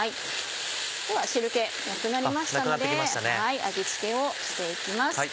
汁気なくなりましたので味付けをして行きます。